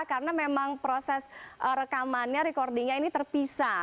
karena memang proses rekamannya recordingnya ini terpisah